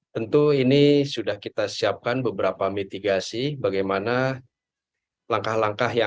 tentu ini sudah kita siapkan beberapa mitigasi bagaimana langkah langkah yang